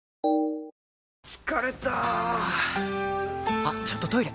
あっちょっとトイレ！